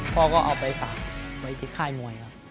พ่อก็เอาไปฝากไว้ที่ค่ายมวยครับ